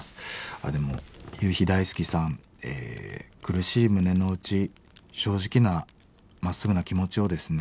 あっでも夕日大好きさん苦しい胸の内正直なまっすぐな気持ちをですね